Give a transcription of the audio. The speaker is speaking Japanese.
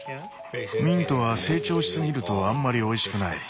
ミントは成長しすぎるとあんまりおいしくない。